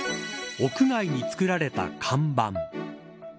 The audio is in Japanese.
屋外に作られた看板。